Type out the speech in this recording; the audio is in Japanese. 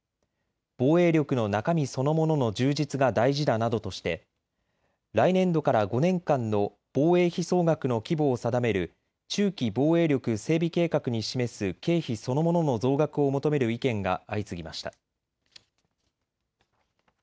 防衛力の中身そのものの充実が大事だなどとして来年度から５年間の防衛費総額の規模を定める中期防衛力整備計画に示す経費そのものの増額を求める意見が相次ぎました。